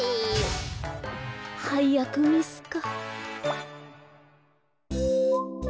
はいやくミスか。